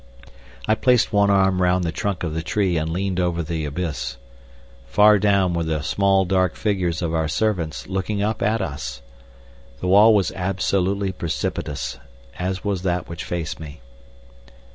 I placed one arm round the trunk of the tree and leaned over the abyss. Far down were the small dark figures of our servants, looking up at us. The wall was absolutely precipitous, as was that which faced me.